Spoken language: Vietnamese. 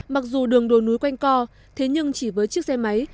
mặc dù đường đồi núi quanh co thế nhưng chỉ với chiếc xe máy